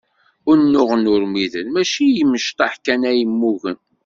Unuɣen urmiden mačči i imecṭaḥ kan ay mmugen.